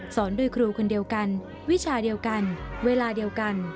สอนโดยครูคนเดียวกันวิชาเดียวกันเวลาเดียวกัน